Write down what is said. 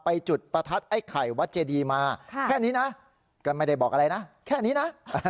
จุดประทัดไอ้ไข่วัดเจดีมาแค่นี้นะก็ไม่ได้บอกอะไรนะแค่นี้นะ